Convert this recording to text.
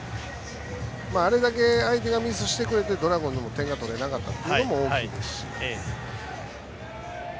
あれだけ、相手がミスしてくれてドラゴンズが点を取れなかったのも大きいですし。